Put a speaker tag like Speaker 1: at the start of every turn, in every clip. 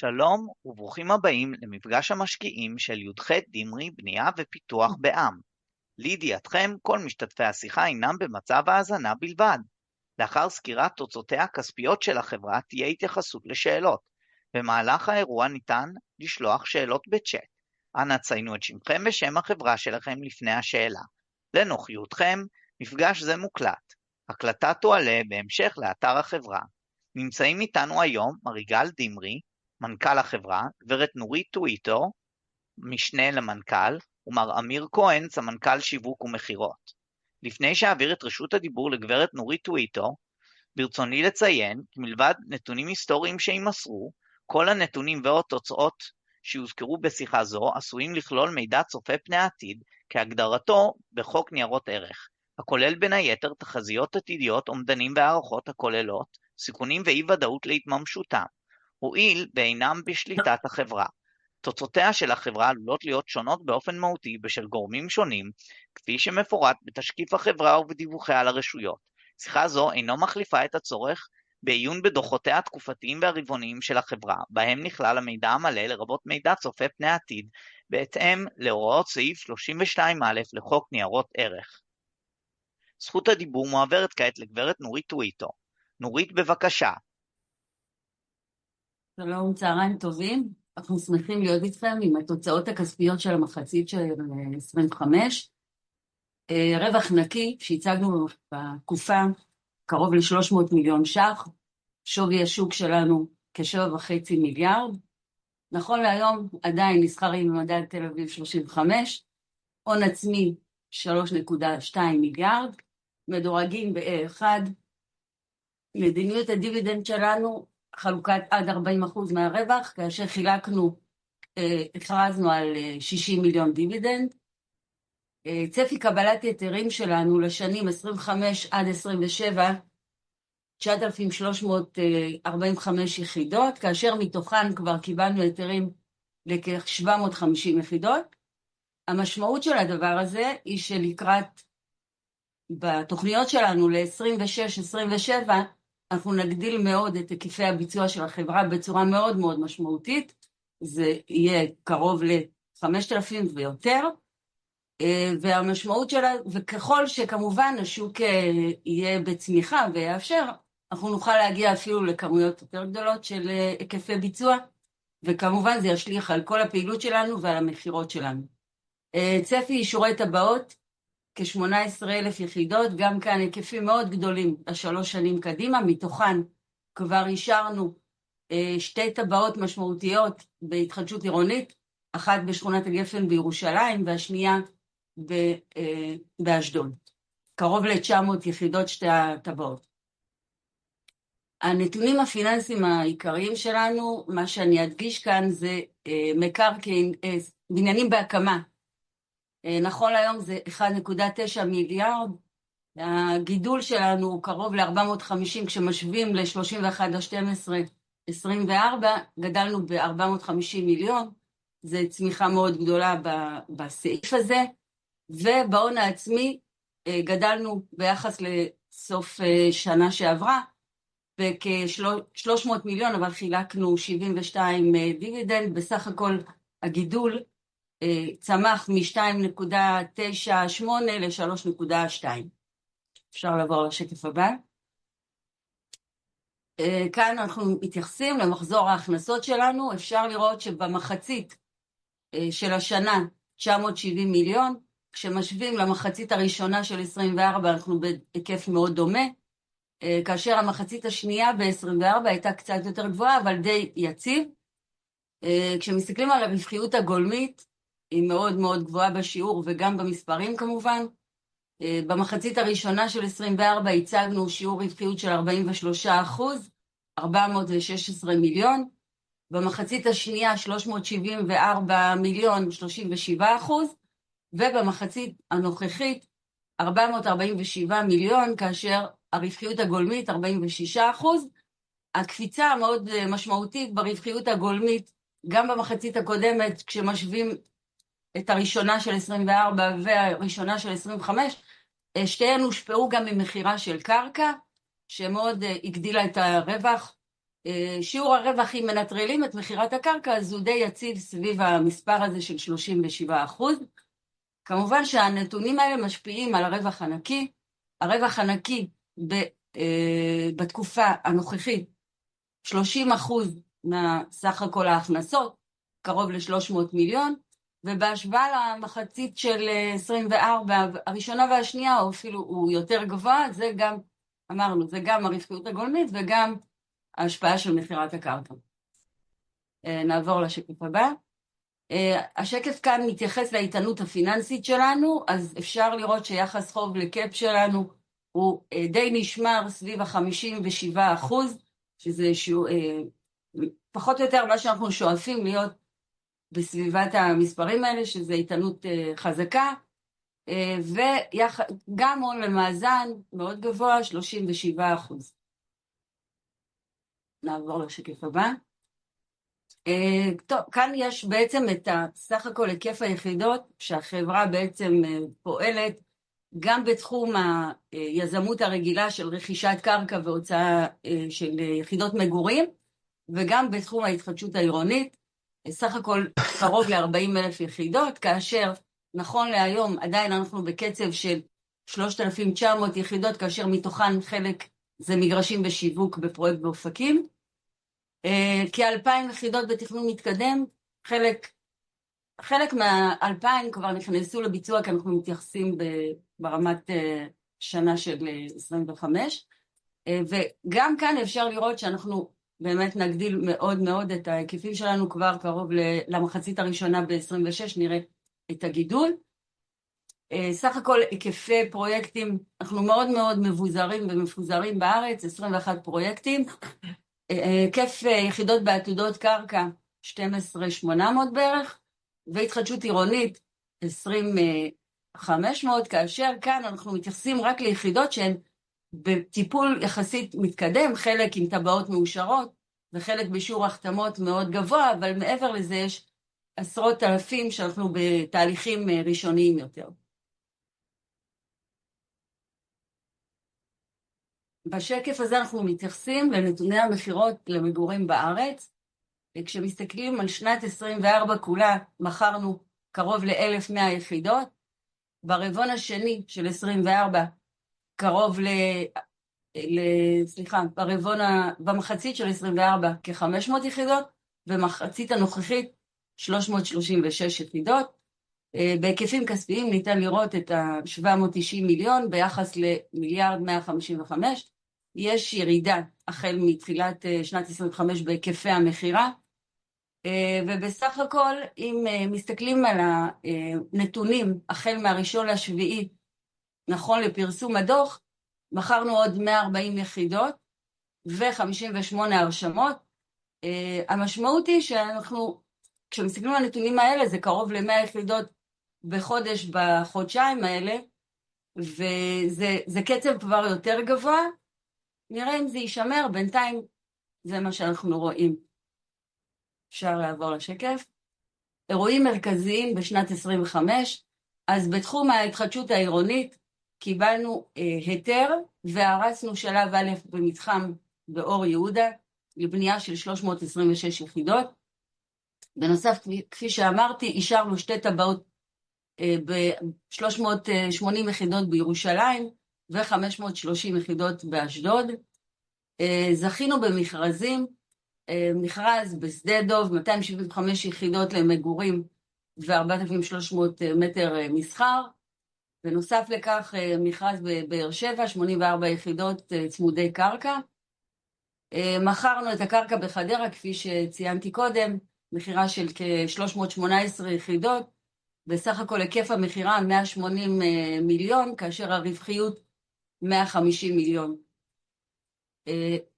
Speaker 1: שלום וברוכים הבאים למפגש המשקיעים של י.ח. דימרי בנייה ופיתוח בע"מ. לידיעתכם, כל משתתפי השיחה אינם במצב האזנה בלבד. לאחר סקירת תוצאותיה הכספיות של החברה, תהיה התייחסות לשאלות. במהלך האירוע ניתן לשלוח שאלות בצ'אט. אנא ציינו את שמכם ושם החברה שלכם לפני השאלה. לנוחיותכם, מפגש זה מוקלט. ההקלטה תועלה בהמשך לאתר החברה. נמצאים איתנו היום: מר יגל דימרי, מנכ"ל החברה; גברת נורית טוויטו, משנה למנכ"ל; ומר אמיר כהן, סמנכ"ל שיווק ומכירות. לפני שאעביר את רשות הדיבור לגברת נורית טוויטו, ברצוני לציין כי מלבד נתונים היסטוריים שיימסרו, כל הנתונים והתוצאות שהוזכרו בשיחה זו עשויים לכלול מידע צופה פני עתיד, כהגדרתו בחוק ניירות ערך, הכולל בין היתר תחזיות עתידיות, אומדנים והערכות הכוללות סיכונים ואי ודאות להתממשותם, הואיל ואינם בשליטת החברה. תוצאותיה של החברה עלולות להיות שונות באופן מהותי בשל גורמים שונים, כפי שמפורט בתשקיף החברה ובדיווחיה לרשויות. שיחה זו אינה מחליפה את הצורך בעיון בדוחותיה התקופתיים והרבעוניים של החברה, בהם נכלל המידע המלא, לרבות מידע צופה פני עתיד, בהתאם להוראות סעיף 32א לחוק ניירות ערך. זכות הדיבור מועברת כעת לגברת נורית טוויטו. נורית, בבקשה.
Speaker 2: שלום, צהריים טובים. אנחנו שמחים להיות איתכם עם התוצאות הכספיות של המחצית של 2025. רווח נקי שהצגנו בתקופה קרוב ל-₪300 מיליון. שווי השוק שלנו כ-₪7.5 מיליארד. נכון להיום, עדיין נסחרים במדד תל אביב 35. הון עצמי ₪3.2 מיליארד. מדורגים ב-A1. מדיניות הדיבידנד שלנו חלוקה עד 40% מהרווח, כאשר חילקנו, הכרזנו על ₪60 מיליון דיבידנד. צפי קבלת היתרים שלנו לשנים 2025 עד 2027: 9,345 יחידות, כאשר מתוכן כבר קיבלנו היתרים לכ-750 יחידות. המשמעות של הדבר הזה היא שלקראת, בתוכניות שלנו ל-2026-2027, אנחנו נגדיל מאוד את היקפי הביצוע של החברה בצורה מאוד מאוד משמעותית. זה יהיה קרוב ל-5,000 ויותר. והמשמעות שלה, וככל שכמובן השוק יהיה בצמיחה ויאפשר, אנחנו נוכל להגיע אפילו לכמויות יותר גדולות של היקפי ביצוע, וכמובן זה ישליך על כל הפעילות שלנו ועל המכירות שלנו. צפי אישורי טבעות: כ-18,000 יחידות. גם כאן היקפים מאוד גדולים לשלוש שנים קדימה. מתוכן כבר אישרנו שתי טבעות משמעותיות בהתחדשות עירונית, אחת בשכונת הגפן בירושלים והשנייה באשדוד. קרוב ל-900 יחידות שתי הטבעות. הנתונים הפיננסיים העיקריים שלנו, מה שאני אדגיש כאן זה מקרקעין, בניינים בהקמה. נכון להיום זה ₪1.9 מיליארד. הגידול שלנו הוא קרוב ל-₪450 מיליון כשמשווים ל-31 בדצמבר 2024. גדלנו ב-₪450 מיליון. זה צמיחה מאוד גדולה בסעיף הזה. ובהון העצמי גדלנו ביחס לסוף שנה שעברה בכ-₪300 מיליון, אבל חילקנו ₪72 מיליון דיבידנד. בסך הכל הגידול צמח מ-₪2.98 מיליארד ל-₪3.2 מיליארד. אפשר לעבור לשקף הבא. כאן אנחנו מתייחסים למחזור ההכנסות שלנו. אפשר לראות שבמחצית של השנה ₪970 מיליון. כשמשווים למחצית הראשונה של 2024, אנחנו בהיקף מאוד דומה. כאשר המחצית השנייה ב-2024 הייתה קצת יותר גבוהה, אבל די יציב. כשמסתכלים על הרווחיות הגולמית, היא מאוד מאוד גבוהה בשיעור וגם במספרים כמובן. במחצית הראשונה של 2024 הצגנו שיעור רווחיות של 43%, ₪416 מיליון. במחצית השנייה ₪374 מיליון, 37%. ובמחצית הנוכחית ₪447 מיליון, כאשר הרווחיות הגולמית 46%. הקפיצה המאוד משמעותית ברווחיות הגולמית גם במחצית הקודמת, כשמשווים את הראשונה של 2024 והראשונה של 2025, שתיהן הושפעו גם ממכירה של קרקע, שמאוד הגדילה את הרווח. שיעור הרווח אם מנטרלים את מכירת הקרקע, אז הוא די יציב סביב המספר הזה של 37%. כמובן שהנתונים האלה משפיעים על הרווח הנקי. הרווח הנקי בתקופה הנוכחית 30% מהסך הכל ההכנסות, קרוב ל-300 מיליון. ובהשוואה למחצית של 2024, הראשונה והשנייה או אפילו הוא יותר גבוה, זה גם, אמרנו, זה גם הרווחיות הגולמית וגם ההשפעה של מכירת הקרקע. נעבור לשקף הבא. השקף כאן מתייחס לאיתנות הפיננסית שלנו. אז אפשר לראות שיחס חוב ל-CAP שלנו הוא די נשמר סביב ה-57%, שזה פחות או יותר מה שאנחנו שואפים להיות בסביבת המספרים האלה, שזה איתנות חזקה. וגם הון למאזן מאוד גבוה, 37%. נעבור לשקף הבא. טוב, כאן יש בעצם את סך הכל היקף היחידות שהחברה בעצם פועלת גם בתחום היזמות הרגילה של רכישת קרקע והוצאה של יחידות מגורים, וגם בתחום ההתחדשות העירונית. סך הכל קרוב ל-40,000 יחידות, כאשר נכון להיום עדיין אנחנו בקצב של 3,900 יחידות, כאשר מתוכן חלק זה מגרשים בשיווק בפרויקט באופקים. כ-2,000 יחידות בתכנון מתקדם. חלק מה-2,000 כבר נכנסו לביצוע, כי אנחנו מתייחסים ברמת שנה של 2025. גם כאן אפשר לראות שאנחנו באמת נגדיל מאוד את ההיקפים שלנו, כבר קרוב למחצית הראשונה ב-2026, נראה את הגידול. סך הכל היקפי פרויקטים, אנחנו מאוד מבוזרים ומפוזרים בארץ, 21 פרויקטים. היקף יחידות בעתודות קרקע 12,800 בערך, והתחדשות עירונית 25,000, כאשר כאן אנחנו מתייחסים רק ליחידות שהן בטיפול יחסית מתקדם, חלק עם תכניות מאושרות וחלק בשיעור החתמות מאוד גבוה, אבל מעבר לזה יש עשרות אלפים שאנחנו בתהליכים ראשוניים יותר. בשקף הזה אנחנו מתייחסים לנתוני המכירות למגורים בארץ. כשמסתכלים על שנת 2024 כולה, מכרנו קרוב ל-1,100 יחידות. ברבעון השני של 2024, קרוב ל... סליחה, במחצית של 2024 כ-500 יחידות, במחצית הנוכחית 336 יחידות. בהיקפים כספיים ניתן לראות את ה-790 מיליון ₪ ביחס ל-1,155 מיליון ₪. יש ירידה החל מתחילת שנת 2025 בהיקפי המכירה. בסך הכל, אם מסתכלים על הנתונים החל מהראשון לשביעי, נכון לפרסום הדוח, מכרנו עוד 140 יחידות ו-58 הרשמות. המשמעות היא שאנחנו, כשמסתכלים על הנתונים האלה, זה קרוב ל-100 יחידות בחודש בחודשיים האלה, וזה קצב כבר יותר גבוה. נראה אם זה יישמר, בינתיים זה מה שאנחנו רואים. אפשר לעבור לשקף. אירועים מרכזיים בשנת 2025. בתחום ההתחדשות העירונית קיבלנו היתר והרצנו שלב א' במתחם באור יהודה לבנייה של 326 יחידות. בנוסף, כפי שאמרתי, אישרנו שתי טבעות: 380 יחידות בירושלים ו-530 יחידות באשדוד. זכינו במכרזים: מכרז בשדה דוב, 275 יחידות למגורים ו-4,300 מ"ר מסחר. בנוסף לכך, מכרז בבאר שבע, 84 יחידות צמודי קרקע. מכרנו את הקרקע בחדרה, כפי שציינתי קודם, מכירה של כ-318 יחידות. בסך הכל היקף המכירה ₪180 מיליון, כאשר הרווחיות ₪150 מיליון.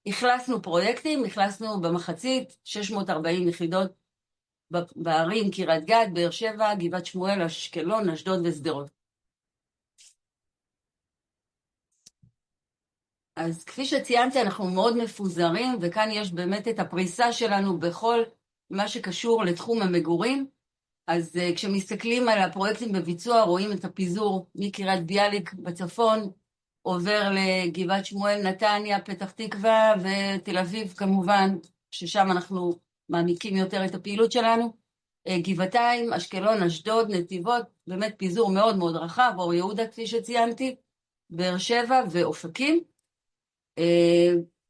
Speaker 2: החלצנו פרויקטים, החלצנו במחצית 640 יחידות בערים: קריית גת, באר שבע, גבעת שמואל, אשקלון, אשדוד ושדרות. כפי שציינתי, אנחנו מאוד מפוזרים, וכאן יש באמת את הפריסה שלנו בכל מה שקשור לתחום המגורים. כשמסתכלים על הפרויקטים בביצוע, רואים את הפיזור מקריית ביאליק בצפון עובר לגבעת שמואל, נתניה, פתח תקווה ותל אביב, כמובן, ששם אנחנו מעמיקים יותר את הפעילות שלנו. גבעתיים, אשקלון, אשדוד, נתיבות, באמת פיזור מאוד רחב. אור יהודה, כפי שציינתי, באר שבע ואופקים.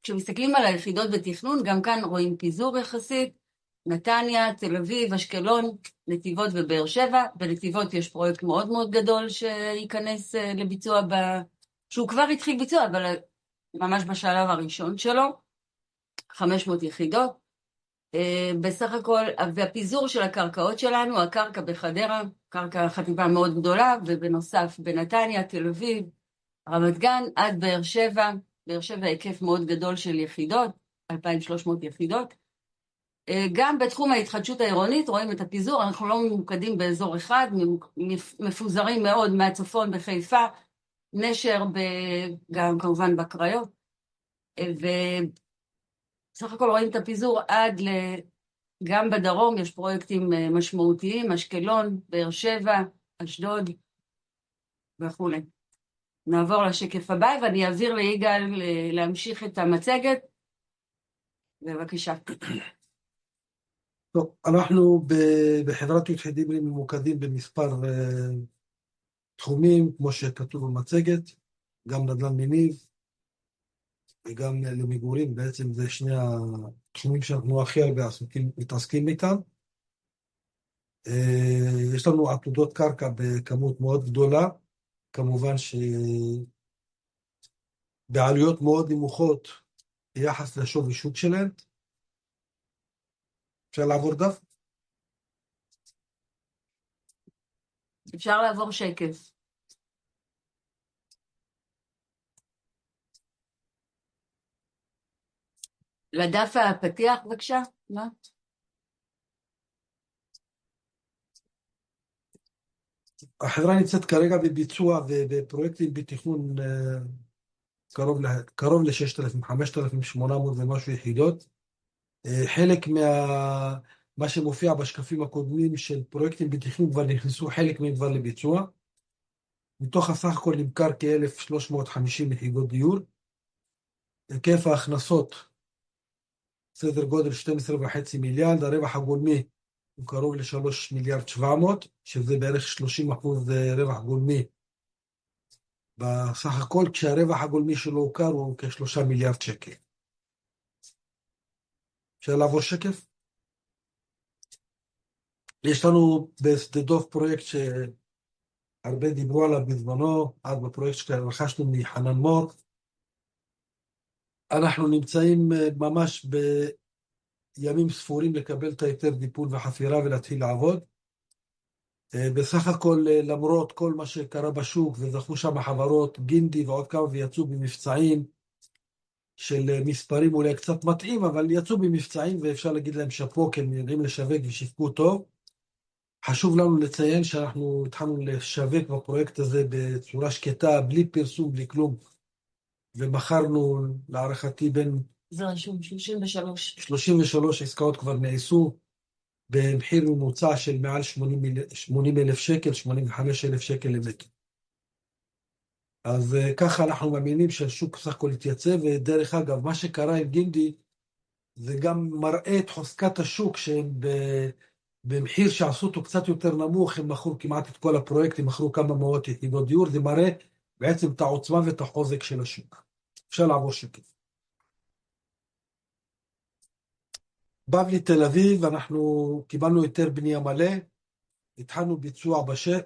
Speaker 2: כשמסתכלים על היחידות בתכנון, גם כאן רואים פיזור יחסית: נתניה, תל אביב, אשקלון, נתיבות ובאר שבע. בנתיבות יש פרויקט מאוד גדול שיכנס לביצוע, שהוא כבר התחיל ביצוע, אבל ממש בשלב הראשון שלו, 500 יחידות. בסך הכל, והפיזור של הקרקעות שלנו, הקרקע בחדרה, קרקע חטיבה מאוד גדולה, ובנוסף בנתניה, תל אביב, רמת גן, עד באר שבע. באר שבע היקף מאוד גדול של יחידות, 2,300 יחידות. גם בתחום ההתחדשות העירונית רואים את הפיזור. אנחנו לא ממוקדים באזור אחד, מפוזרים מאוד מהצפון בחיפה, נשר, וגם כמובן בקריות. סך הכל רואים את הפיזור עד ל... גם בדרום יש פרויקטים משמעותיים: אשקלון, באר שבע, אשדוד וכולי. נעבור לשקף הבא, ואני אעביר ליגאל להמשיך את המצגת. בבקשה.
Speaker 3: טוב, אנחנו בחברת יח. דימרי ממוקדים במספר תחומים, כמו שכתוב במצגת. גם נדל"ן מניב וגם למגורים, בעצם זה שני התחומים שאנחנו הכי הרבה עוסקים, מתעסקים איתם. יש לנו עתודות קרקע בכמות מאוד גדולה, כמובן שבעלויות מאוד נמוכות יחס לשווי שוק שלהן. אפשר לעבור דף?
Speaker 2: אפשר לעבור שקף לדף הפתיחה, בבקשה, מה?
Speaker 3: החברה נמצאת כרגע בביצוע ובפרויקטים בתכנון קרוב ל-6,000, 5,800 ומשהו יחידות. חלק ממה שמופיע בשקפים הקודמים של פרויקטים בתכנון כבר נכנסו, חלק מהם כבר לביצוע. מתוך הסך הכל נמכר כ-1,350 יחידות דיור. היקף ההכנסות סדר גודל ₪12.5 מיליארד. הרווח הגולמי הוא קרוב ל-₪3 מיליארד 700, שזה בערך 30% רווח גולמי. בסך הכל, כשהרווח הגולמי שלו הוכר הוא כ-₪3 מיליארד שקל. אפשר לעבור שקף? יש לנו בשדה דוף פרויקט שהרבה דיברו עליו בזמנו, פרויקט שרכשנו מחנן מור. אנחנו נמצאים ממש בימים ספורים לקבל את ההיתר דיפול וחפירה ולהתחיל לעבוד. בסך הכל, למרות כל מה שקרה בשוק וזכו שם חברות גינדי ועוד כמה ויצאו במבצעים של מספרים אולי קצת מתאים, אבל יצאו במבצעים ואפשר להגיד להם שפוק, הם יודעים לשווק ושיווקו טוב. חשוב לנו לציין שאנחנו התחלנו לשווק בפרויקט הזה בצורה שקטה, בלי פרסום, בלי כלום, ומכרנו להערכתי בין...
Speaker 2: זה רשום 33.
Speaker 3: 33 עסקאות כבר נעשו במחיר ממוצע של מעל ₪80,000, ₪85,000 למטר. אז ככה אנחנו מאמינים שהשוק סך הכל יתייצב. ודרך אגב, מה שקרה עם גינדי זה גם מראה את חוזקת השוק שהם במחיר שעשו אותו קצת יותר נמוך, הם מכרו כמעט את כל הפרויקט, הם מכרו כמה מאות יחידות דיור. זה מראה בעצם את העוצמה ואת החוזק של השוק. אפשר לעבור שקף. בבלי תל אביב, אנחנו קיבלנו היתר בנייה מלא.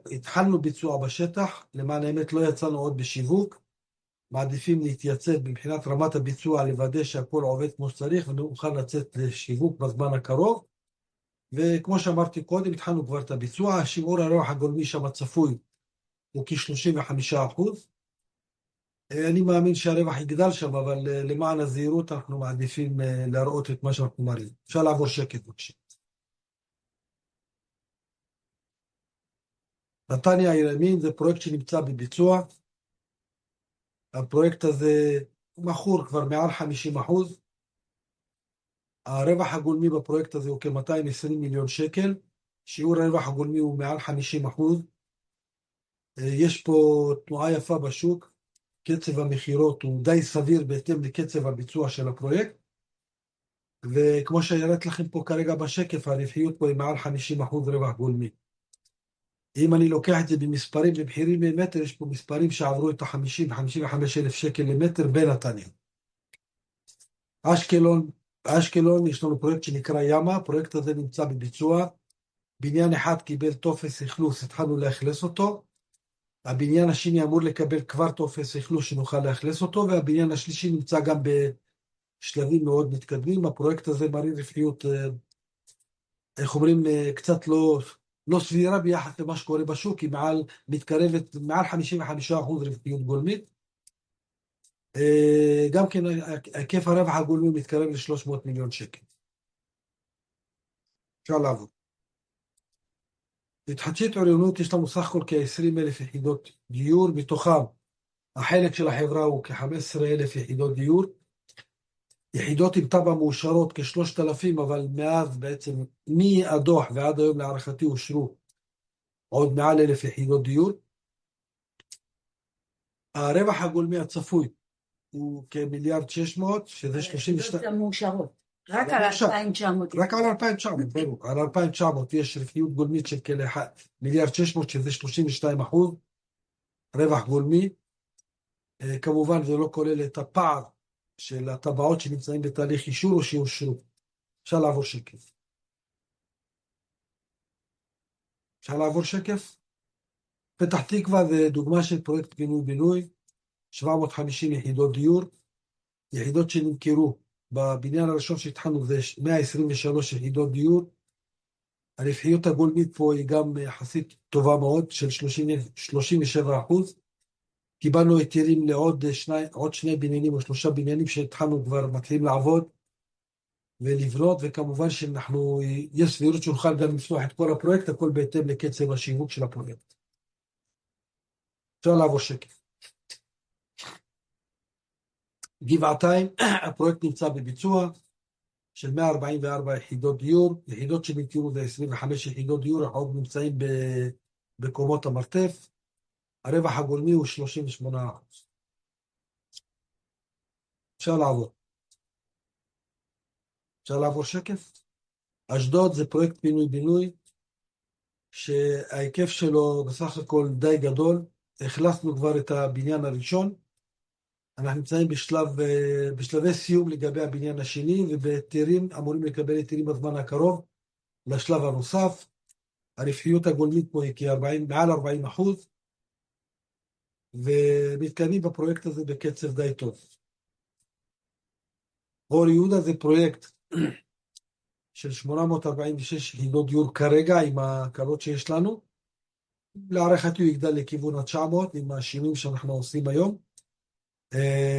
Speaker 3: התחלנו ביצוע בשטח, למען האמת לא יצאנו עוד בשיווק. מעדיפים להתייצב מבחינת רמת הביצוע, לוודא שהכל עובד כמו שצריך ונוכל לצאת לשיווק בזמן הקרוב. וכמו שאמרתי קודם, התחלנו כבר את הביצוע. שיעור הרווח הגולמי שם צפוי הוא כ-35%. אני מאמין שהרווח יגדל שם, אבל למען הזהירות אנחנו מעדיפים להראות את מה שאנחנו מראים. אפשר לעבור שקף, בבקשה. נתניה עיר ימין זה פרויקט שנמצא בביצוע. הפרויקט הזה מכור כבר מעל 50%. הרווח הגולמי בפרויקט הזה הוא כ-₪220 מיליון. שיעור הרווח הגולמי הוא מעל 50%. יש פה תנועה יפה בשוק. קצב המכירות הוא די סביר בהתאם לקצב הביצוע של הפרויקט. וכמו שהראיתי לכם פה כרגע בשקף, הרווחיות פה היא מעל 50% רווח גולמי. אם אני לוקח את זה במספרים ומחירים למטר, יש פה מספרים שעברו את ה-₪50,000-55,000 למטר בנתניה. אשקלון - יש לנו פרויקט שנקרא ימה. הפרויקט הזה נמצא בביצוע. בניין אחד קיבל טופס אכלוס, התחלנו לאכלס אותו. הבניין השני אמור לקבל כבר טופס אכלוס שנוכל לאכלס אותו, והבניין השלישי נמצא גם בשלבים מאוד מתקדמים. הפרויקט הזה מראה רווחיות לא סבירה ביחס למה שקורה בשוק, היא מתקרבת למעל 55% רווחיות גולמית. גם כן היקף הרווח הגולמי מתקרב ל-₪300 מיליון. התחדשות עירונית - יש לנו סך הכל כ-20,000 יחידות דיור, מתוכם החלק של החברה הוא כ-15,000 יחידות דיור. יחידות עם טבע מאושרות כ-3,000, אבל מאז בעצם מהדוח ועד היום, להערכתי, אושרו עוד מעל 1,000 יחידות דיור. הרווח הגולמי הצפוי הוא כ-1,600, שזה 32%.
Speaker 2: מאושרות, רק על 2,900.
Speaker 3: רק על 2,900, ברור, על 2,900 יש רווחיות גולמית של כ-1,600, שזה 32% רווח גולמי. כמובן, זה לא כולל את הפער של הטבעות שנמצאים בתהליך אישור או שיאושרו. פתח תקווה זה דוגמה של פרויקט פינוי-בינוי, 750 יחידות דיור. יחידות שנמכרו בבניין הראשון שהתחלנו זה 123 יחידות דיור. הרווחיות הגולמית פה היא גם יחסית טובה מאוד, של 37%. קיבלנו היתרים לעוד שני בניינים או שלושה בניינים שהתחלנו כבר מתחילים לעבוד ולבנות, וכמובן שאנחנו יש סבירות שנוכל גם לפתוח את כל הפרויקט, הכל בהתאם לקצב השיווק של הפרויקט. גבעתיים, הפרויקט נמצא בביצוע של 144 יחידות דיור. יחידות שנמכרו זה 25 יחידות דיור, עוד נמצאים בקומות המרתף. הרווח הגולמי הוא 38%. אשדוד זה פרויקט פינוי-בינוי שההיקף שלו בסך הכל די גדול. החלצנו כבר את הבניין הראשון. אנחנו נמצאים בשלב, בשלבי סיום לגבי הבניין השני, ובהיתרים אמורים לקבל היתרים בזמן הקרוב לשלב הנוסף. הרווחיות הגולמית פה היא כ-40%, מעל 40%, ומתקדמים בפרויקט הזה בקצב די טוב. אור יהודה זה פרויקט של 846 יחידות דיור כרגע, עם הכלות שיש לנו. להערכתי הוא יגדל לכיוון ה-900 עם השינויים שאנחנו עושים היום.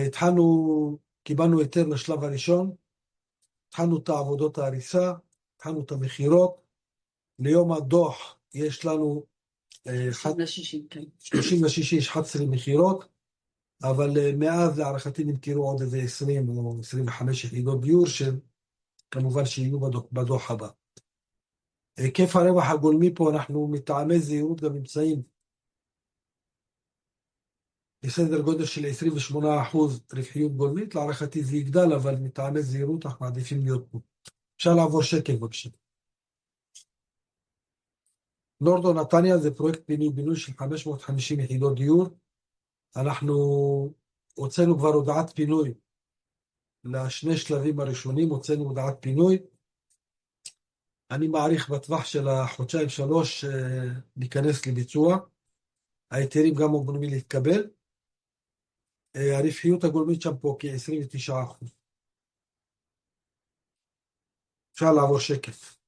Speaker 3: התחלנו, קיבלנו היתר לשלב הראשון, התחלנו את עבודות ההריסה, התחלנו את המכירות. ליום הדוח יש לנו 36 מכירות, אבל מאז להערכתי נמכרו עוד איזה 20 או 25 יחידות דיור, שכמובן יהיו בדוח הבא. היקף הרווח הגולמי פה, אנחנו מטעמי זהירות גם נמצאים בסדר גודל של 28% רווחיות גולמית. להערכתי זה יגדל, אבל מטעמי זהירות אנחנו מעדיפים להיות פה. אפשר לעבור שקף, בבקשה. נורדון נתניה זה פרויקט פינוי-בינוי של 550 יחידות דיור. אנחנו הוצאנו כבר הודעת פינוי לשני השלבים הראשונים, הוצאנו הודעת פינוי. אני מעריך בטווח של החודשיים-שלושה להיכנס לביצוע. ההיתרים גם אמורים להתקבל. הרווחיות הגולמית שם פה כ-29%. אפשר לעבור שקף.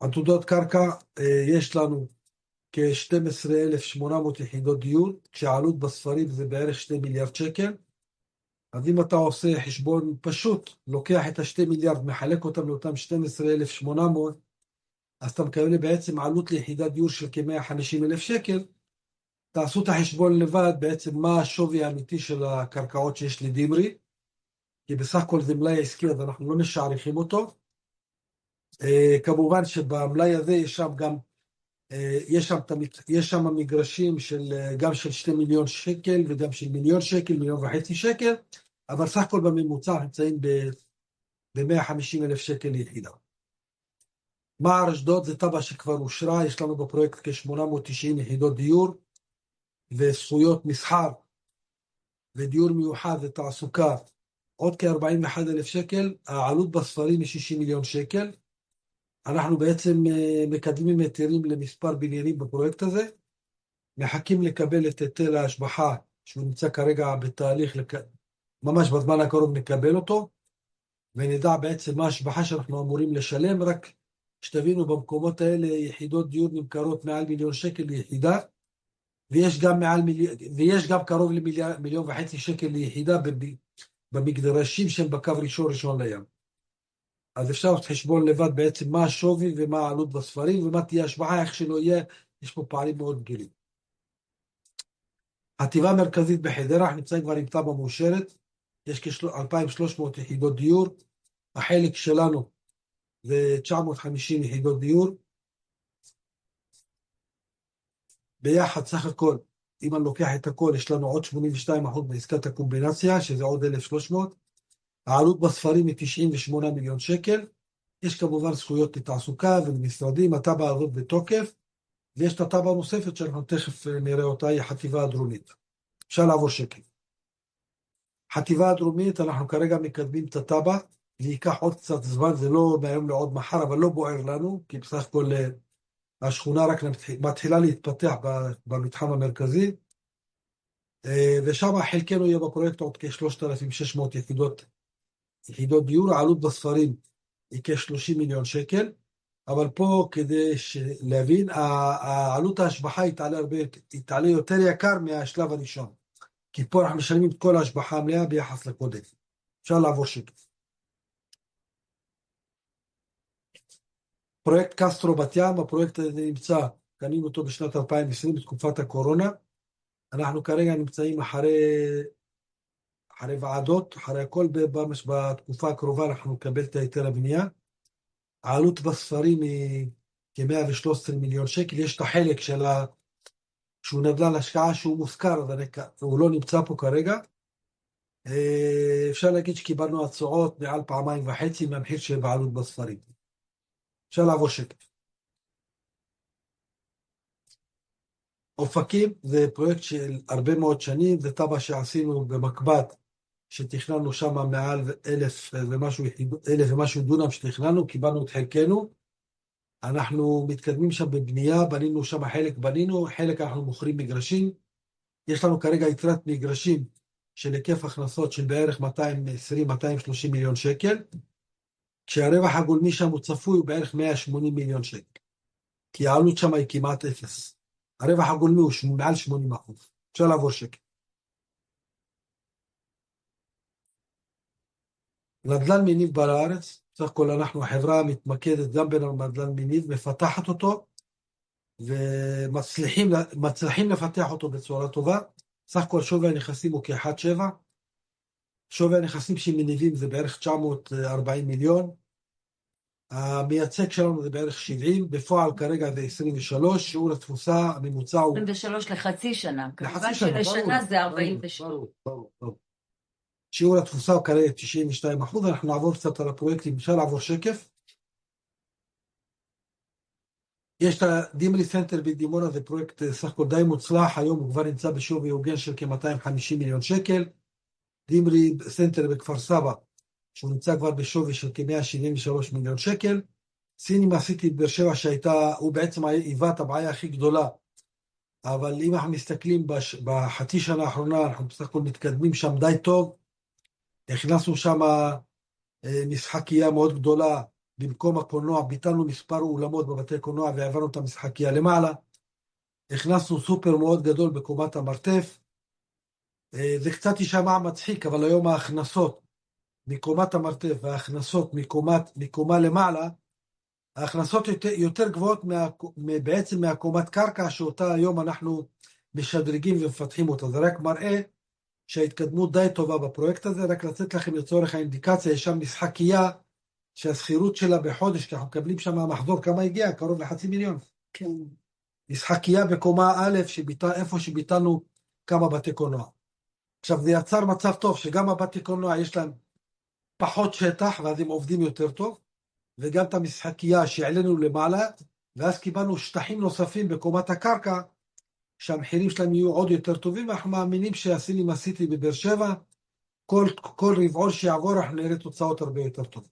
Speaker 3: עתודות קרקע, יש לנו כ-12,800 יחידות דיור, כשהעלות בספרים זה בערך ₪2 מיליארד. אז אם אתה עושה חשבון פשוט, לוקח את ה-₪2 מיליארד, מחלק אותם לאותם 12,800, אז אתה מקבל בעצם עלות ליחידת דיור של כ-₪150,000. תעשו את החשבון לבד, בעצם מה השווי האמיתי של הקרקעות שיש לדימרי, כי בסך הכל זה מלאי עסקי, אז אנחנו לא משעריכים אותו. כמובן שבמלאי הזה יש שם גם, יש שם את, יש שם מגרשים של גם של ₪2 מיליון וגם של ₪מיליון, ₪מיליון וחצי, אבל סך הכל בממוצע נמצאים ב-₪150,000 ליחידה. מר אשדוד זה טבע שכבר אושרה, יש לנו בפרויקט כ-890 יחידות דיור וזכויות מסחר ודיור מיוחד ותעסוקה, עוד כ-₪41,000. העלות בספרים היא ₪60 מיליון. אנחנו בעצם מקדמים היתרים למספר בניינים בפרויקט הזה, מחכים לקבל את היתר להשבחה שהוא נמצא כרגע בתהליך. ממש בזמן הקרוב נקבל אותו ונדע בעצם מה ההשבחה שאנחנו אמורים לשלם. רק שתבינו, במקומות האלה יחידות דיור נמכרות מעל מיליון שקל ליחידה ויש גם מעל, ויש גם קרוב למיליון וחצי שקל ליחידה במגרשים שהם בקו ראשון-ראשון לים. אז אפשר לעשות חשבון לבד בעצם מה השווי ומה העלות בספרים ומה תהיה השבחה. איך שלא יהיה, יש פה פערים מאוד גדולים. חטיבה מרכזית בחדרה, אנחנו נמצאים כבר עם טבע מאושרת, יש כ-2,300 יחידות דיור. החלק שלנו זה 950 יחידות דיור. ביחד, סך הכל, אם אני לוקח את הכל, יש לנו עוד 82% בעסקת הקומבינציה, שזה עוד 1,300. העלות בספרים היא ₪98 מיליון. יש כמובן זכויות לתעסוקה ולמשרדים, הטבע הזאת בתוקף, ויש את הטבע הנוספת שאנחנו תכף נראה אותה, היא החטיבה הדרומית. אפשר לעבור שקף. חטיבה הדרומית, אנחנו כרגע מקדמים את הטבע, זה ייקח עוד קצת זמן, זה לא מהיום למחר, אבל לא בוער לנו, כי בסך הכל השכונה רק מתחילה להתפתח במתחם המרכזי. שם חלקנו יהיה בפרויקט עוד כ-3,600 יחידות דיור. העלות בספרים היא כ-₪30 מיליון, אבל פה, כדי להבין, העלות ההשבחה התעלה הרבה, התעלה יותר יקר מהשלב הראשון, כי פה אנחנו משלמים את כל ההשבחה המלאה ביחס לקודם. פרויקט קסטרו בת ים, הפרויקט הזה נמצא, קנינו אותו בשנת 2020 בתקופת הקורונה. אנחנו כרגע נמצאים אחרי ועדות, אחרי הכל, בתקופה הקרובה אנחנו נקבל את היתר הבנייה. העלות בספרים היא כ-₪113 מיליון, יש את החלק שהוא נדלן השקעה שהוא מוזכר, אז הוא לא נמצא פה כרגע. אפשר להגיד שקיבלנו הצעות מעל פעמיים וחצי מהמחיר שבעלות בספרים. אופקים זה פרויקט של הרבה מאוד שנים, זה טבע שעשינו במקבת שתכננו שמה מעל אלף ומשהו, אלף ומשהו דונם שתכננו, קיבלנו את חלקנו. אנחנו מתקדמים שם בבנייה, בנינו שמה חלק, בנינו חלק, אנחנו מוכרים מגרשים. יש לנו כרגע יתרת מגרשים של היקף הכנסות של בערך ₪220-230 מיליון, כשהרווח הגולמי שם הוא צפוי הוא בערך ₪180 מיליון, כי העלות שמה היא כמעט אפס. הרווח הגולמי הוא מעל 80%. נדלן מניב בארץ, סך הכל אנחנו חברה מתמקדת גם בנדלן מניב, מפתחת אותו ומצליחים לפתח אותו בצורה טובה. סך הכל שווי הנכסים הוא כ-₪17 מיליון. שווי הנכסים שמניבים זה בערך ₪940 מיליון. המייצג שלנו זה בערך ₪70 מיליון, בפועל כרגע זה ₪23 מיליון. שיעור התפוסה הממוצע הוא 23% לחצי שנה, כוונה של השנה זה 48%. שיעור התפוסה הוא כרגע 92%. יש את הדימרי סנטר בדימונה, זה פרויקט סך הכל די מוצלח. היום הוא כבר נמצא בשווי הוגן של כ-₪250 מיליון. דימרי סנטר בכפר סבא שהוא נמצא כבר בשווי של כ-₪173 מיליון. סיני מסיטי בבאר שבע שהייתה, הוא בעצם היווה את הבעיה הכי גדולה, אבל אם אנחנו מסתכלים בחצי שנה האחרונה, אנחנו בסך הכל מתקדמים שם די טוב. הכנסנו שמה משחקיה מאוד גדולה במקום הקולנוע, ביטלנו מספר אולמות בבתי קולנוע והעברנו את המשחקיה למעלה. הכנסנו סופר מאוד גדול בקומת המרתף. זה קצת ישמע מצחיק, אבל היום ההכנסות מקומת המרתף וההכנסות מקומה למעלה, ההכנסות יותר גבוהות בעצם מהקומת קרקע שאותה היום אנחנו משדרגים ומפתחים אותה. זה רק מראה שההתקדמות די טובה בפרויקט הזה. רק לתת לכם לצורך האינדיקציה, יש שם משחקיה שהשכירות שלה בחודש, כי אנחנו מקבלים שמה מחזור, כמה הגיע? קרוב לחצי מיליון. כן. משחקיה בקומה א' שביטלה איפה שביטלנו כמה בתי קולנוע. עכשיו זה יצר מצב טוב שגם לבתי הקולנוע יש להם פחות שטח ואז הם עובדים יותר טוב, וגם את המשחקייה שהעלינו למעלה ואז קיבלנו שטחים נוספים בקומת הקרקע שהמחירים שלהם יהיו עוד יותר טובים. אנחנו מאמינים שהסיני מסיטי בבאר שבע, כל רבעון שיעבור אנחנו נראה תוצאות הרבה יותר טובות.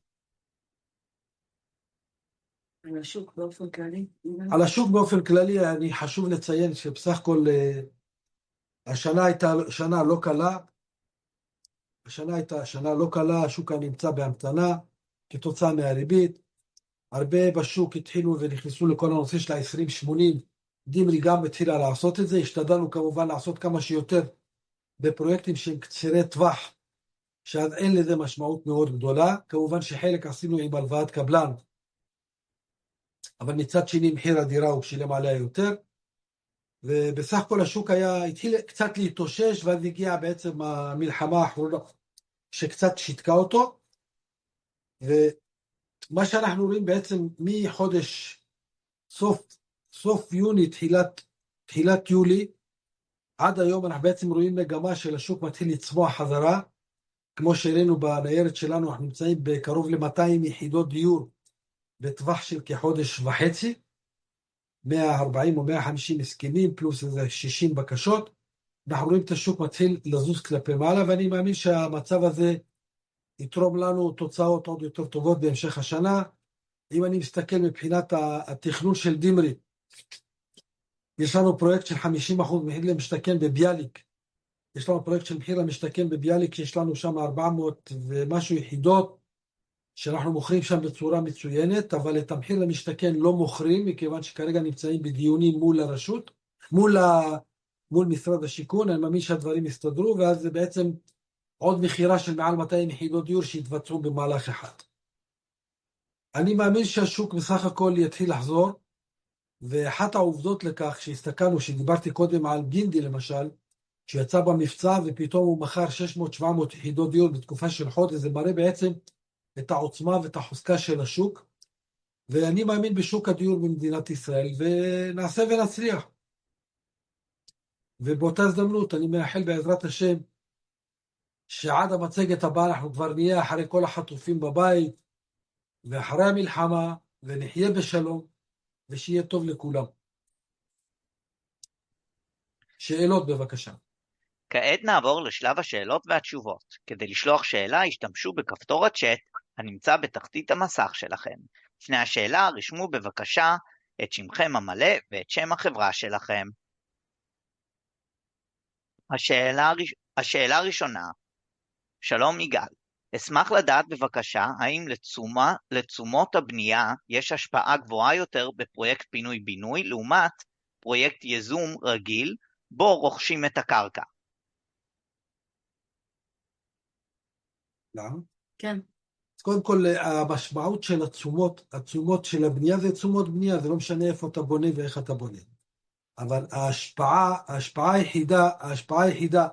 Speaker 3: על השוק באופן כללי? על השוק באופן כללי אני חושב שחשוב לציין שבסך הכל השנה הייתה שנה לא קלה. השנה הייתה שנה לא קלה, השוק היה נמצא בהמתנה כתוצאה מהריבית. הרבה בשוק התחילו ונכנסו לכל הנושא של ה-20-80. דימרי גם התחילה לעשות את זה, השתדלנו כמובן לעשות כמה שיותר בפרויקטים שהם קצרי טווח שאין לזה משמעות מאוד גדולה. כמובן שחלק עשינו עם הלוואת קבלן, אבל מצד שני מחיר הדירה הוא שילם עליה יותר ובסך הכל השוק היה התחיל קצת להתאושש ואז הגיעה בעצם המלחמה האחרונה שקצת שיתקה אותו ומה שאנחנו רואים בעצם מחודש סוף יוני תחילת יולי עד היום אנחנו בעצם רואים מגמה של השוק מתחיל לצבוע חזרה כמו שהראינו בניירת שלנו. אנחנו נמצאים בקרוב ל-200 יחידות דיור בטווח של כחודש וחצי, 140 או 150 הסכמים פלוס איזה 60 בקשות. אנחנו רואים את השוק מתחיל לזוז כלפי מעלה ואני מאמין שהמצב הזה יתרום לנו תוצאות עוד יותר טובות בהמשך השנה. אם אני מסתכל מבחינת התכנון של דימרי, יש לנו פרויקט של 50% מחיר למשתכן בביאליק. יש לנו פרויקט של מחיר למשתכן בביאליק שיש לנו שמה 400 ומשהו יחידות שאנחנו מוכרים שם בצורה מצוינת, אבל את המחיר למשתכן לא מוכרים מכיוון שכרגע נמצאים בדיונים מול הרשות, מול משרד השיכון. אני מאמין שהדברים יסתדרו ואז זה בעצם עוד מכירה של מעל 200 יחידות דיור שיתבצעו במהלך אחד. אני מאמין שהשוק בסך הכל יתחיל לחזור ואחת העובדות לכך שהסתכלנו שדיברתי קודם על גינדי למשל שיצא במבצע ופתאום הוא מכר 600-700 יחידות דיור בתקופה של חודש, זה מראה בעצם את העוצמה ואת החוזקה של השוק ואני מאמין בשוק הדיור במדינת ישראל ונעשה ונצליח. ובאותה הזדמנות אני מאחל בעזרת השם שעד המצגת הבאה אנחנו כבר נהיה אחרי כל החטופים בבית ואחרי המלחמה ונחיה בשלום ושיהיה טוב לכולם. שאלות בבקשה. כעת נעבור לשלב השאלות והתשובות. כדי לשלוח שאלה השתמשו בכפתור הצ'אט הנמצא בתחתית המסך שלכם. לפני השאלה רשמו בבקשה את שמכם המלא ואת שם החברה שלכם. השאלה הראשונה: שלום יגאל, אשמח לדעת בבקשה האם לתשומות הבנייה יש השפעה גבוהה יותר בפרויקט פינוי-בינוי לעומת פרויקט יזום רגיל בו רוכשים את הקרקע? למה? כן. אז קודם כל המשמעות של התשומות, התשומות של הבנייה זה תשומות בנייה. זה לא משנה איפה אתה בונה ואיך אתה בונה, אבל ההשפעה, ההשפעה היחידה, ההשפעה היחידה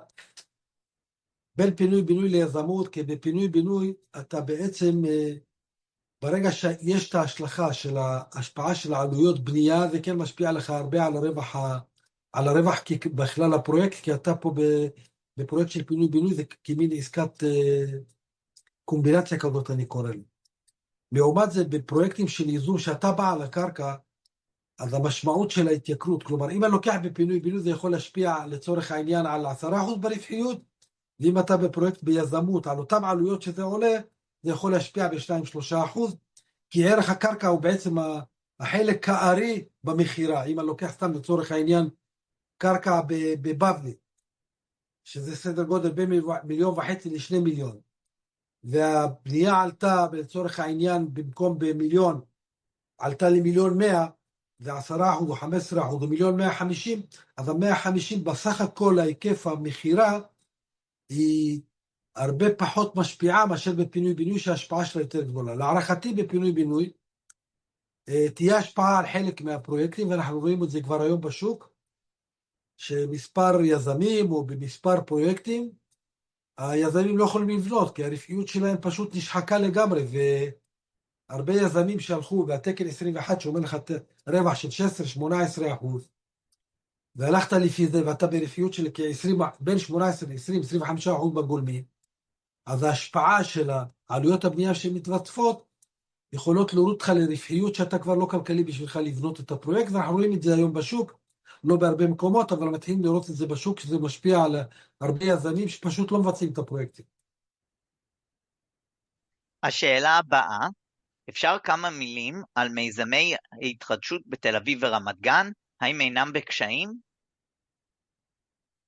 Speaker 3: בין פינוי-בינוי ליזמות, כי בפינוי-בינוי אתה בעצם ברגע שיש את ההשלכה של ההשפעה של עלויות הבנייה, זה כן משפיע לך הרבה על הרווח, על הרווח בכלל הפרויקט, כי אתה פה בפרויקט של פינוי-בינוי זה כמין עסקת קומבינציה כזאת אני קורא לזה. לעומת זה בפרויקטים של יזום שאתה בא על הקרקע אז המשמעות של ההתייקרות, כלומר אם אני לוקח בפינוי-בינוי זה יכול להשפיע לצורך העניין על 10% ברווחיות ואם אתה בפרויקט ביזמות על אותן עלויות שזה עולה זה יכול להשפיע ב-2%-3% כי ערך הקרקע הוא בעצם החלק הארי במכירה. אם אני לוקח סתם לצורך העניין קרקע בבבלי שזה סדר גודל בין ₪1.5 מיליון ל-₪2 מיליון והבנייה עלתה לצורך העניין במקום ב-₪1 מיליון עלתה ל-₪1.1 מיליון זה 10% או 15% או ₪1.15 מיליון אז ה-₪150,000 בסך הכל היקף המכירה היא הרבה פחות משפיעה מאשר בפינוי-בינוי שההשפעה שלה יותר גדולה. להערכתי בפינוי-בינוי תהיה השפעה על חלק מהפרויקטים ואנחנו רואים את זה כבר היום בשוק שמספר יזמים או במספר פרויקטים היזמים לא יכולים לבנות כי הרווחיות שלהם פשוט נשחקה לגמרי והרבה יזמים שהלכו והתקן 21 שאומר לך רווח של 16%-18% והלכת לפי זה ואתה ברווחיות של כ-20%, בין 18% ל-20%-25% בגולמי אז ההשפעה של עלויות הבנייה שמתווספות יכולות להוריד אותך לרווחיות שאתה כבר לא כלכלי בשבילך לבנות את הפרויקט ואנחנו רואים את זה היום בשוק לא בהרבה מקומות אבל מתחילים לראות את זה בשוק שזה משפיע על הרבה יזמים שפשוט לא מבצעים את הפרויקטים. השאלה הבאה: אפשר כמה מילים על מיזמי התחדשות בתל אביב ורמת גן? האם אינם בקשיים?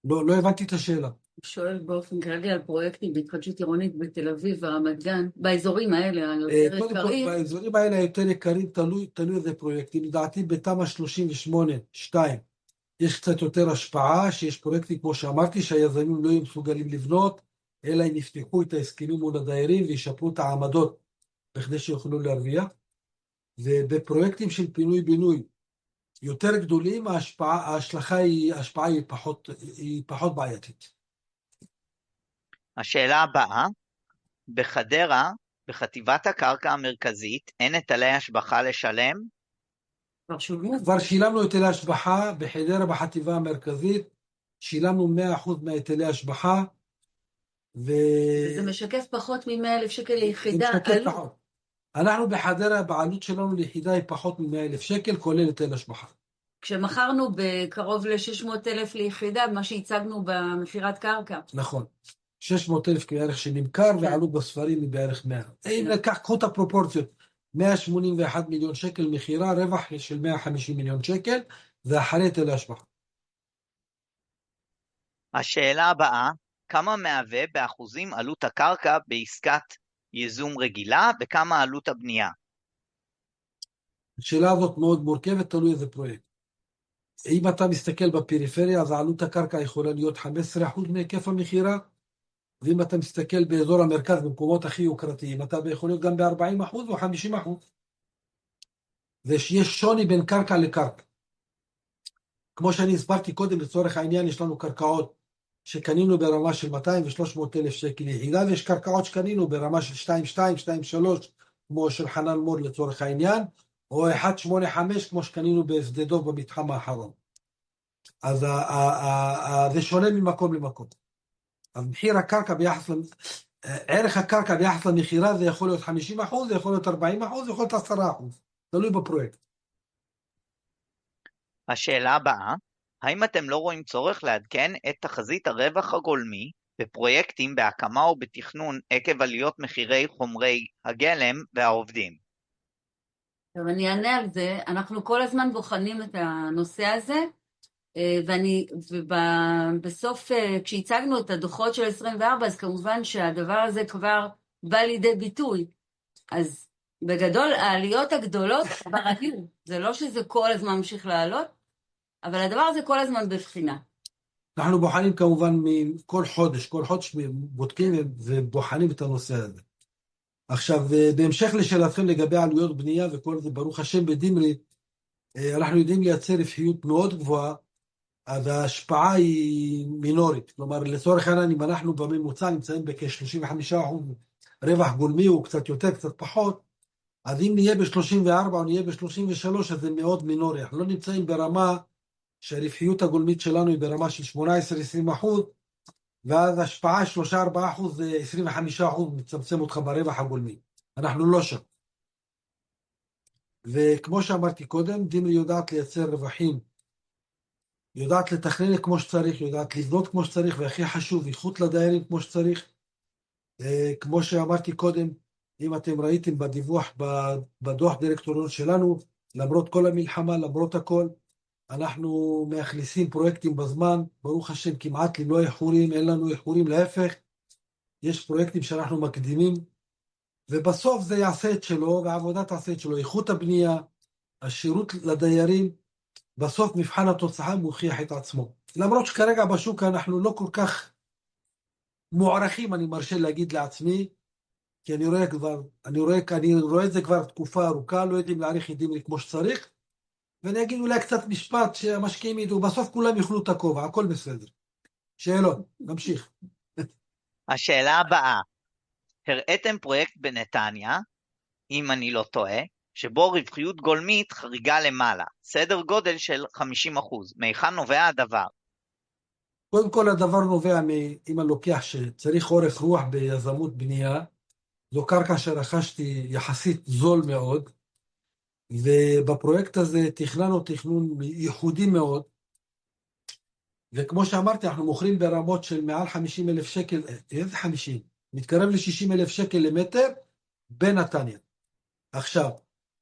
Speaker 3: לא, לא הבנתי את השאלה. שואל באופן כללי על פרויקטים בהתחדשות עירונית בתל אביב ורמת גן באזורים האלה היותר עיקריים. לא, באזורים האלה היותר עיקריים תלוי איזה פרויקטים. לדעתי בתמ"א 38/2 יש קצת יותר השפעה שיש פרויקטים כמו שאמרתי שהיזמים לא יהיו מסוגלים לבנות אלא אם יפתחו את ההסכמים מול הדיירים וישפרו את העמדות כדי שיוכלו להרוויח. ובפרויקטים של פינוי-בינוי יותר גדולים ההשפעה היא פחות בעייתית. השאלה הבאה: בחדרה בחטיבת הקרקע המרכזית אין את עלי ההשבחה לשלם? כבר שילמו? כבר שילמנו את עלי ההשבחה בחדרה בחטיבה המרכזית. שילמנו 100% מהיטל השבחה וזה משקף פחות מ-₪100,000 ליחידה? משקף פחות. אנחנו בחדרה בעלות שלנו ליחידה היא פחות מ-₪100,000 כולל היטל השבחה. כשמכרנו בקרוב ל-₪600,000 ליחידה מה שהצגנו במכירת קרקע. נכון, 600 אלף כערך שנמכר ועלו בספרים היא בערך 100. אם לקחו את הפרופורציות 181 מיליון שקל מכירה רווח של 150 מיליון שקל ואחרי תעלה השבחה. השאלה הבאה: כמה מהווה באחוזים עלות הקרקע בעסקת יזום רגילה וכמה עלות הבנייה? השאלה הזאת מאוד מורכבת תלוי איזה פרויקט. אם אתה מסתכל בפריפריה אז עלות הקרקע יכולה להיות 15% מהיקף המכירה ואם אתה מסתכל באזור המרכז במקומות הכי יוקרתיים אתה יכול להיות גם ב-40% או 50% זה שיש שוני בין קרקע לקרקע. כמו שאני הסברתי קודם לצורך העניין יש לנו קרקעות שקנינו ברמה של 200 ו-300 אלף שקל יחידה ויש קרקעות שקנינו ברמה של 22-23 כמו של חנן מור לצורך העניין או 18-5 כמו שקנינו בשדה דב במתחם האחרון. אז זה שונה ממקום למקום. אז מחיר הקרקע ביחס לערך הקרקע ביחס למכירה זה יכול להיות 50% זה יכול להיות 40% זה יכול להיות 10% תלוי בפרויקט. השאלה הבאה: האם אתם לא רואים צורך לעדכן את תחזית הרווח הגולמי בפרויקטים בהקמה או בתכנון עקב עליות מחירי חומרי הגלם והעובדים? טוב, אני אענה על זה. אנחנו כל הזמן בוחנים את הנושא הזה ובסוף כשהצגנו את הדוחות של 2024 אז כמובן שהדבר הזה כבר בא לידי ביטוי. אז בגדול העליות הגדולות כבר היו, זה לא שזה כל הזמן ממשיך לעלות אבל הדבר הזה כל הזמן בבחינה. אנחנו בוחנים כמובן מדי חודש, כל חודש בודקים ובוחנים את הנושא הזה. עכשיו בהמשך לשאלתכם לגבי עלויות בנייה וכל זה, ברוך השם בדימרי אנחנו יודעים לייצר רווחיות מאוד גבוהה, אז ההשפעה היא מינורית. כלומר לצורך העניין, אם אנחנו בממוצע נמצאים בכ-35% רווח גולמי - הוא קצת יותר, קצת פחות - אז אם נהיה ב-34% או נהיה ב-33%, אז זה מאוד מינורי. אנחנו לא נמצאים ברמה שהרווחיות הגולמית שלנו היא ברמה של 18%-20%, ואז השפעה של 3%-4% זה 25% מצמצם אותך ברווח הגולמי. אנחנו לא שם. וכמו שאמרתי קודם, דימרי יודעת לייצר רווחים, יודעת לתכנן כמו שצריך, יודעת לבנות כמו שצריך, והכי חשוב - איכות לדיירים כמו שצריך. כמו שאמרתי קודם, אם אתם ראיתם בדיווח, בדוח דירקטור שלנו, למרות כל המלחמה, למרות הכל, אנחנו מאכלסים פרויקטים בזמן ברוך השם, כמעט ללא איחורים. אין לנו איחורים, להפך - יש פרויקטים שאנחנו מקדימים. ובסוף זה יעשה את שלו והעבודה תעשה את שלו. איכות הבנייה, השירות לדיירים - בסוף מבחן התוצאה מוכיח את עצמו. למרות שכרגע בשוק אנחנו לא כל כך מוערכים, אני מרשה להגיד לעצמי כי אני רואה כבר - אני רואה את זה כבר תקופה ארוכה - לא יודעים להעריך את דימרי כמו שצריך. ואני אגיד אולי קצת משפט שהמשקיעים ידעו - בסוף כולם יכלו את הכובע, הכל בסדר. שאלות נמשיך. השאלה הבאה: הראיתם פרויקט בנתניה אם אני לא טועה שבו רווחיות גולמית חריגה למעלה סדר גודל של 50%. מהיכן נובע הדבר? קודם כל הדבר נובע מאם הלוקח שצריך אורך רוח ביזמות בנייה. זו קרקע שרכשתי יחסית זול מאוד ובפרויקט הזה תכננו תכנון ייחודי מאוד. כמו שאמרתי, אנחנו מוכרים ברמות של מעל ₪50,000 איזה ₪50,000 מתקרב ל-₪60,000 למטר בנתניה. עכשיו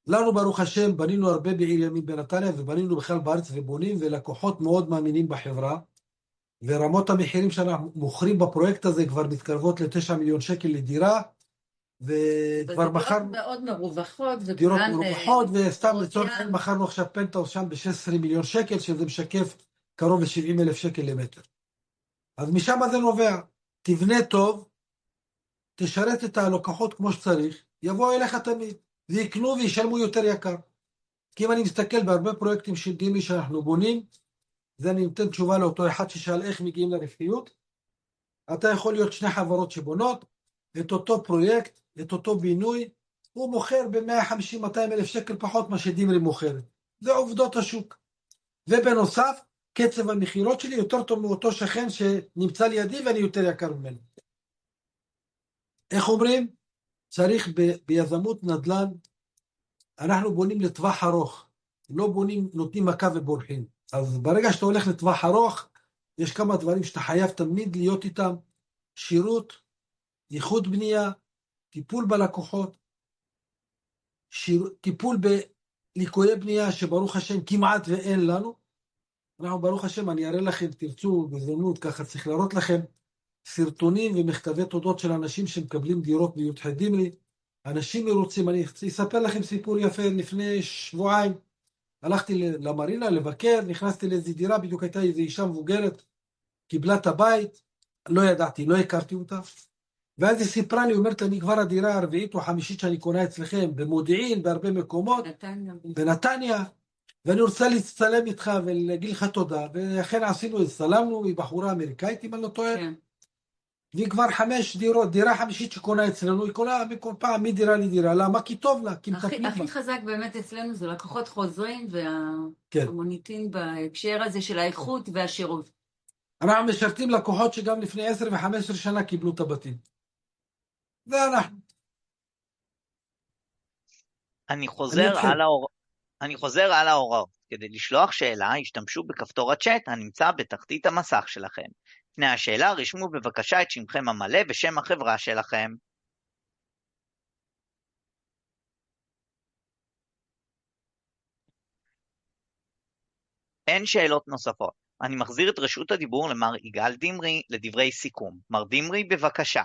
Speaker 3: לנו ברוך השם בנינו הרבה בעיר ימים בנתניה ובנינו בכלל בארץ ובונים ולקוחות מאוד מאמינים בחברה. רמות המחירים שאנחנו מוכרים בפרויקט הזה כבר מתקרבות ל-₪9 מיליון לדירה וכבר מכרנו דירות מאוד מרווחות ודירות מרווחות. סתם לצורך מכרנו עכשיו פנטהאוס שם ב-₪16 מיליון שזה משקף קרוב ל-₪70,000 למטר. אז מכאן זה נובע - תבנה טוב, תשרת את הלקוחות כמו שצריך, יבואו אליך תמיד ויקנו וישלמו יותר יקר. כי אם אני מסתכל בהרבה פרויקטים של דימרי שאנחנו בונים זה אני נותן תשובה לאותו אחד ששאל איך מגיעים לרווחיות - אתה יכול להיות שני חברות שבונות את אותו פרויקט, את אותו בינוי, הוא מוכר ב-₪150,000-₪200,000 פחות מה שדימרי מוכרת. זה עובדות השוק. ובנוסף קצב המכירות שלי יותר טוב מאותו שכן שנמצא לידי ואני יותר יקר ממנו. איך אומרים, צריך ביזמות נדלן - אנחנו בונים לטווח ארוך, לא בונים נותנים מכה ובורחים. אז ברגע שאתה הולך לטווח ארוך יש כמה דברים שאתה חייב תמיד להיות איתם: שירות, איכות בנייה, טיפול בלקוחות, טיפול בליקויי בנייה שברוך השם כמעט ואין לנו. אנחנו ברוך השם, אני אראה לכם תרצו בהזדמנות, צריך להראות לכם סרטונים ומכתבי תודות של אנשים שמקבלים דירות ביחדימי - אנשים מרוצים. אני אספר לכם סיפור יפה. לפני שבועיים הלכתי למרינה לבקר, נכנסתי לאיזה דירה בדיוק הייתה איזה אישה מבוגרת קיבלה את הבית. לא ידעתי, לא הכרתי אותה ואז היא סיפרה לי, אומרת לי "אני כבר הדירה הרביעית או החמישית שאני קונה אצלכם במודיעין, בהרבה מקומות, בנתניה ואני רוצה להצטלם איתך ולהגיד לך תודה". ואכן עשינו את זה, צלמנו. היא בחורה אמריקאית אם אני לא טועה, כן, והיא כבר חמש דירות - דירה חמישית שקונה אצלנו. היא קונה מכל פעם מדירה לדירה למה? כי טוב לה. כי המנוף הכי חזק באמת אצלנו זה לקוחות חוזרים והמוניטין בהקשר הזה של האיכות והשירות. אנחנו משרתים לקוחות שגם לפני 10 ו-15 שנה קיבלו את הבתים. זה אנחנו. אני חוזר על ההוראות כדי לשלוח שאלה השתמשו בכפתור הצ'אט הנמצא בתחתית המסך שלכם. לפני השאלה רשמו בבקשה את שמכם המלא ושם החברה שלכם. אין שאלות נוספות, אני מחזיר את רשות הדיבור למר יגאל דמרי לדברי סיכום. מר דמרי בבקשה.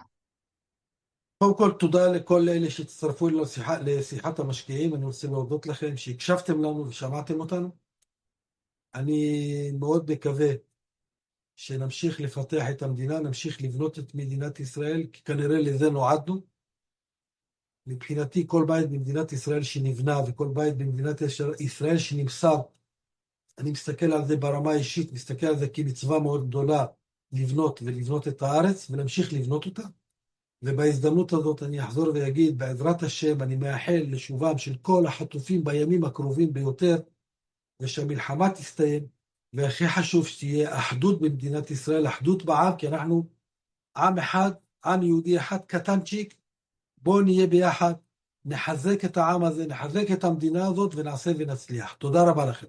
Speaker 3: קודם כל תודה לכל אלה שהצטרפו לשיחה, לשיחת המשקיעים. אני רוצה להודות לכם שהקשבתם לנו ושמעתם אותנו. אני מאוד מקווה שנמשיך לפתח את המדינה, נמשיך לבנות את מדינת ישראל כי כנראה לזה נועדנו. מבחינתי כל בית במדינת ישראל שנבנה וכל בית במדינת ישראל שנמסר אני מסתכל על זה ברמה האישית, מסתכל על זה כמצווה מאוד גדולה לבנות ולבנות את הארץ ולהמשיך לבנות אותה. ובהזדמנות הזאת אני אחזור ואגיד בעזרת השם אני מאחל לשובם של כל החטופים בימים הקרובים ביותר ושהמלחמה תסתיים והכי חשוב שתהיה אחדות במדינת ישראל, אחדות בעם כי אנחנו עם אחד, עם יהודי אחד קטנצ'יק. בואו נהיה ביחד, נחזק את העם הזה, נחזק את המדינה הזאת ונעשה ונצליח. תודה רבה לכם.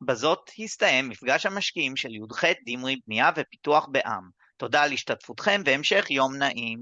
Speaker 3: בזאת הסתיים מפגש המשקיעים של יח דימרי בנייה ופיתוח בעם. תודה על השתתפותכם והמשך יום נעים.